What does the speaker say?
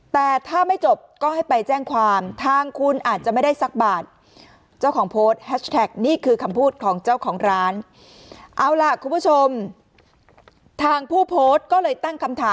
แต่ถ้าไม่จบก็ให้ไปแจ้งความทางคุณอาจจะไม่ได้สักบาท